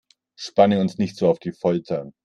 Spanne uns nicht so auf die Folter!